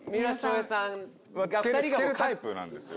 つけるタイプなんですよ。